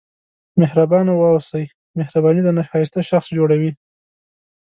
مهربانه واوسئ مهرباني درنه ښایسته شخص جوړوي.